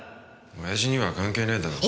親父には関係ねえだろ。